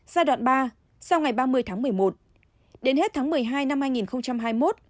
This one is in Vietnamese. giai đoạn ba sau ngày ba mươi tháng một mươi một đến hết tháng một mươi hai năm hai nghìn hai mươi một